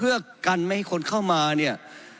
เพื่อกันไม่ให้คนเข้ามาเนี่ย